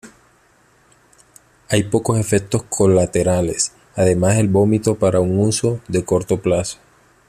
Hay pocos efectos colaterales además el vómito para un uso de corto plazo.